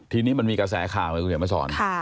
ทีนี้มันมีกระแสข่าวไงคุณเห็นมาสอน